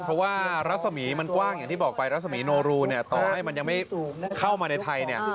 เพราะว่ารัศมีร์มันกว้างอย่างที่บอกไปรัศมีโนรูเนี่ยต่อให้มันยังไม่เข้ามาในไทยเนี่ย